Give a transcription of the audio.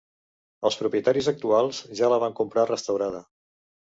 Els propietaris actuals ja la van comprar restaurada.